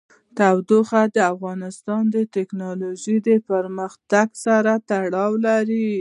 تودوخه د افغانستان د تکنالوژۍ پرمختګ سره تړاو لري.